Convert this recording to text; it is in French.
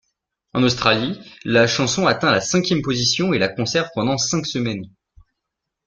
En Australie, la chanson atteint la cinquième position et la conserve pendant cinq semaines.